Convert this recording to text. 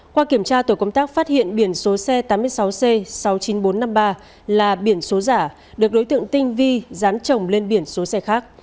qua kiểm tra tổ công tác phát hiện biển số xe tám mươi sáu c sáu mươi chín nghìn bốn trăm năm mươi ba là biển số giả được đối tượng tinh vi dán trồng lên biển số xe khác